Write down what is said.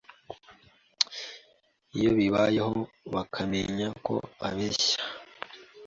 Iyo bibayeho bakamenya ko abeshya,